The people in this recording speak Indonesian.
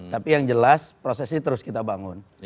tapi yang jelas proses ini terus kita bangun